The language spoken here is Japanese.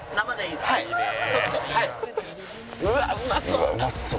うわっうまそう！